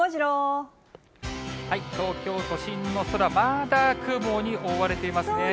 東京都心の空、まだ雲に覆われていますね。